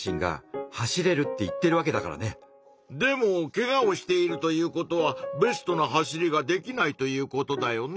でもけがをしているということはベストな走りができないということだよね？